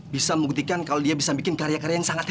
bisa membuktikan kalau dia bisa bikin karya karya yang sangat